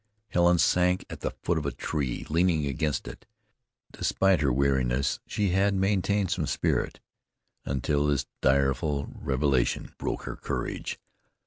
Helen sank at the foot of a tree, leaning against it. Despite her weariness she had retained some spirit until this direful revelation broke her courage.